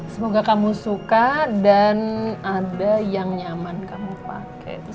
semoga kamu suka dan ada yang nyaman kamu pakai